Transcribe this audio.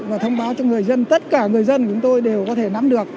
và thông báo cho người dân tất cả người dân chúng tôi đều có thể nắm được